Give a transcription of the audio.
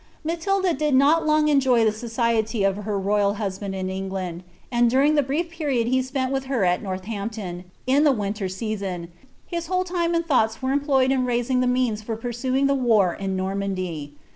Qpeen Matilda did not long enjoy the society of her royal husband in England, and during the brief period he spent with her at Northamp ton, in the winter season, his whole time and thoughts were employed in raising the means for pursuing the war in Normandy.